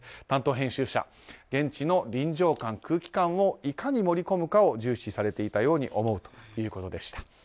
担当編集者現地の臨場感、空気感をいかに盛り込むかを重視されていたように思うということでした。